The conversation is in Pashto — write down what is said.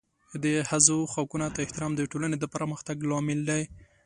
د ښځو حقونو ته احترام د ټولنې د پرمختګ لامل دی.